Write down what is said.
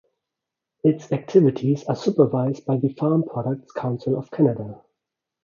Its activities are supervised by the Farm Products Council of Canada.